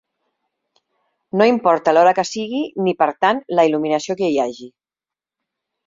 No importa l'hora que sigui ni, per tant, la il·luminació que hi hagi.